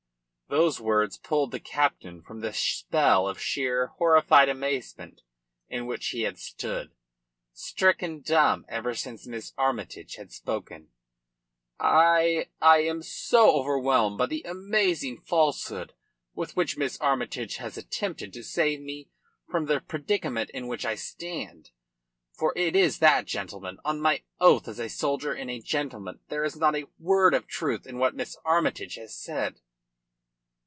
Those words pulled the captain from the spell of sheer horrified amazement in which he had stood, stricken dumb, ever since Miss Armytage had spoken. "I I am so overwhelmed by the amazing falsehood with which Miss Armytage has attempted to save me from the predicament in which I stand. For it is that, gentlemen. On my oath as a soldier and a gentleman, there is not a word of truth in what Miss Armytage has said."